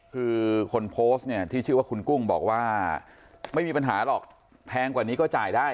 คือคนโพสต์เนี่ยที่ชื่อว่าคุณกุ้งบอกว่าไม่มีปัญหาหรอกแพงกว่านี้ก็จ่ายได้